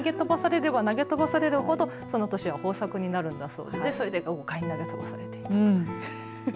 豪快に投げ飛ばされれば投げ飛ばされるほどその年は豊作になるそうで６回投げ飛ばされていた。